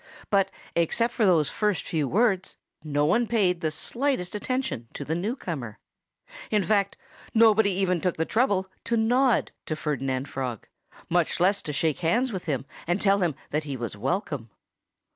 But except for those first few words, no one paid the slightest attention to the newcomer. In fact, nobody even took the trouble to nod to Ferdinand Frog much less to shake hands with him and tell him that he was welcome.